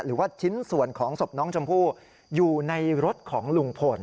หรือว่าชิ้นส่วนของศพน้องชมพู่อยู่ในรถของลุงพล